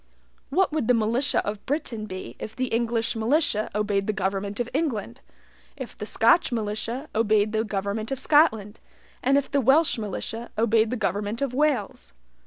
What would the militia of Britain be if the English militia obeyed the government of England, if the Scotch militia obeyed the government of Scotland, and if the Welsh militia obeyed the government of Wales?